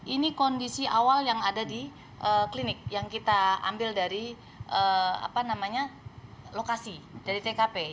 ini kondisi awal yang ada di klinik yang kita ambil dari lokasi dari tkp